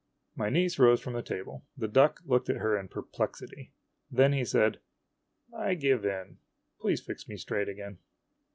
My niece rose from the table. The duck looked at her in per plexity. Then he said :" I give in. Please fix me straight again."